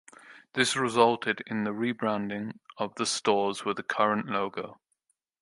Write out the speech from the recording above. This resulted in the re-branding of the stores with the current logo.